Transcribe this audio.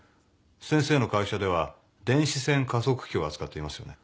先生の会社では電子線加速器を扱っていますよね。